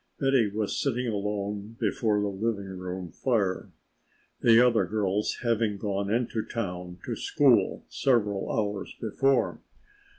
Betty was sitting alone before the living room fire, the other girls having gone into town to school several hours before.